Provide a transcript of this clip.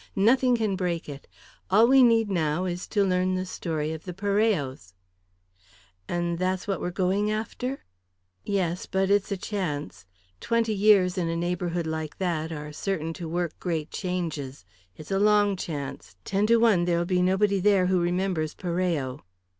"Nothing can break it. All we need now is to learn the story of the Parellos." "And that's what we're going after?" "Yes but it's a chance. Twenty years, in a neighbourhood like that, are certain to work great changes. It's a long chance. Ten to one, there'll be nobody there who remembers Parello."